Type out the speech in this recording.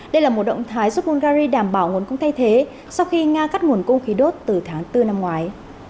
đây là một động thái giúp hungary đảm bảo nguồn cung thay thế sau khi nga cắt nguồn cung khí đốt từ tháng bốn năm ngoái